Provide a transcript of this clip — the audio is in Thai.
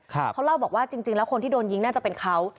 เขาเล่าบอกว่าจริงแล้วคนที่โดนยิงน่าจะเป็นเขา